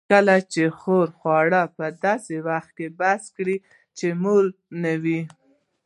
کله چي خواړه خورې؛ په داسي وخت کښې بس کړئ، چي موړ نه يې.